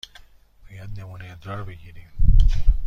باید نمونه ادرار بگیریم.